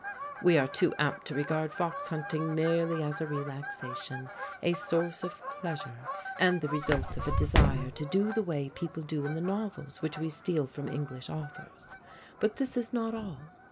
We are too apt to regard fox hunting merely as a relaxation, a source of pleasure, and the result of a desire to do the way people do in the novels which we steal from English authors: but this is not all.